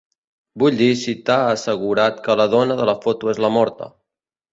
Vull dir si t'ha assegurat que la dona de la foto és la morta.